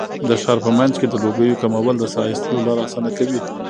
د ښار په منځ کې د لوګیو کمول د ساه ایستلو لاره اسانه کوي.